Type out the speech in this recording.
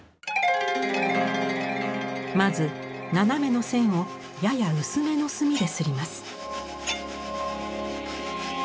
まず斜めの線をやや薄めの墨で摺ります。